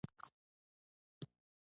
په ستړیا او خواشینۍ مې خپل شهرت بیانول.